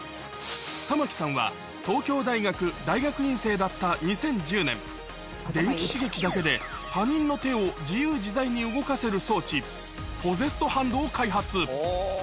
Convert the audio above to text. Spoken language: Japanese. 玉城さんは東京大学大学院生だった２０１０年、電気刺激だけで他人の手を自由自在に動かせる装置、ポゼストハンドを開発。